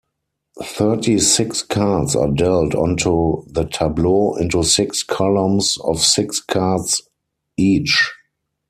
Thirty-six cards are dealt onto the tableau into six columns of six cards each.